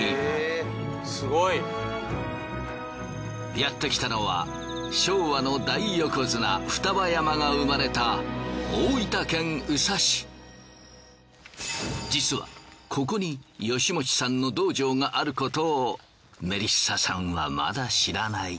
やって来たのは昭和の大横綱双葉山が生まれた実はここに吉用さんの道場があることをメリッサさんはまだ知らない。